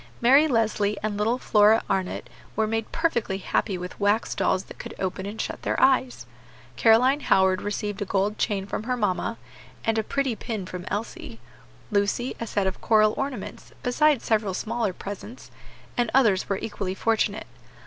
Mary Leslie and little Flora Arnott were made perfectly happy with wax dolls that could open and shut their eyes; Caroline Howard received a gold chain from her mamma, and a pretty pin from Elsie; Lucy, a set of coral ornaments, besides several smaller presents; and others were equally fortunate.